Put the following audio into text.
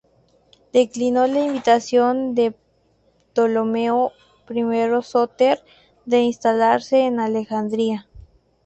Declinó la invitación de Ptolomeo I Sóter de instalarse en Alejandría.